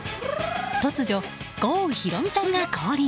突如、郷ひろみさんが降臨。